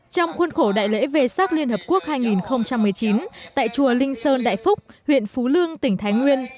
trong khuôn khổ đại lễ về sắc liên hợp quốc hai nghìn một mươi chín tại chùa linh sơn đại phúc huyện phú lương tỉnh thái nguyên